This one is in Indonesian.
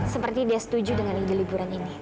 seperti dia setuju dengan ide liburan ini